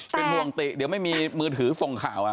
เป็นห่วงติเดี๋ยวไม่มีมือถือส่งข่าว